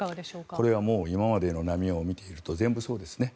これはもう今までの波を見ていると全部そうですね。